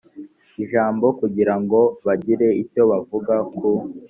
ijambo kugira ngo bagire icyo bavuga ku